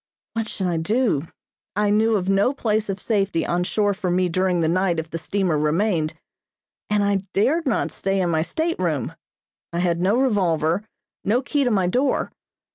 What should I do! I knew of no place of safety on shore for me during the night if the steamer remained, and I dared not stay in my stateroom. I had no revolver, no key to my door.